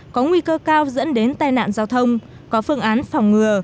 có nguy cơ cao dẫn đến tai nạn giao thông có phương án phòng ngừa